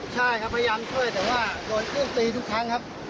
ใช่ครับพยายามช่วยแต่ว่าโดนขึ้นตีกลับมาทุกครั้งครับ